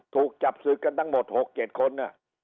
ถูกจับศึกกันทั้งหมด๖๗คน